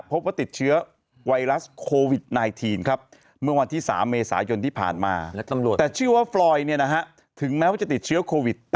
พบว่าติดเชื้อไวรัสโควิด๑๙ครับ